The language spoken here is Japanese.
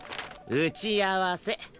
打ち合わせ！